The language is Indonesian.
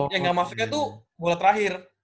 yang gak masuknya tuh bola terakhir